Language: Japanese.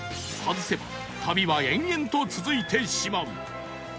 外せば旅は延々と続いてしまう